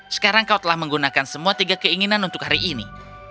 sekarang kau telah menggunakan semua tiga keinginan untuk hari ini